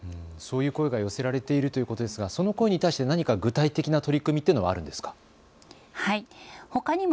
そういう声が寄せられているということですが、その声に対して何か具体的な取り組みというのはあるんですか。